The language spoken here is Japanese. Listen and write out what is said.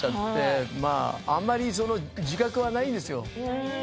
あまり自覚はないんですよ。